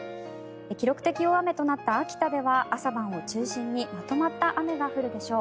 記録的大雨となった秋田では朝晩を中心にまとまった雨が降るでしょう。